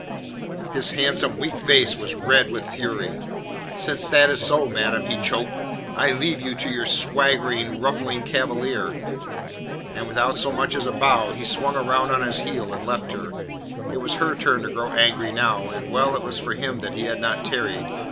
His handsome, weak face was red with fury. "Since that is so, madam," he choked, "I leave you to your swaggering, ruffling Cavalier." And, without so much as a bow, he swung round on his heel and left her. It was her turn to grow angry now, and well it was for him that he had not tarried.